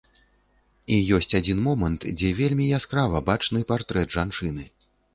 І ёсць адзін момант, дзе вельмі яскрава бачны партрэт жанчыны.